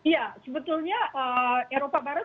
ya sebetulnya eropa barat